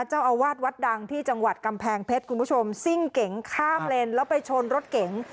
เจ้าอาวาสวัดดังที่จังหวัดกำแพงเพชรคุณผู้ชมซิ่งเก๋งข้ามเลนแล้วไปชนรถเก๋ง